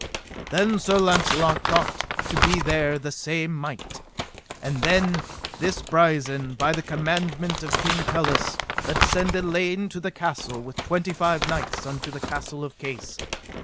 Then Sir Launcelot thought to be there the same might. And then this Brisen by the commandment of King Pelles let send Elaine to this castle with twenty five knights unto the Castle of Case.